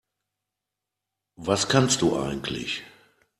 Was kannst du eigentlich?